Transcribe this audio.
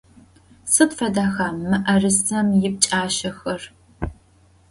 Sıd fedexa mı'erısem yipç'aşsexer?